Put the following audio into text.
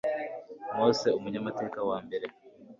Mose umunyamateka wa mbere